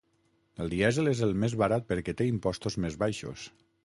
El dièsel és el més barat perquè té impostos més baixos.